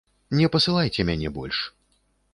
Не пасылайце мяне больш.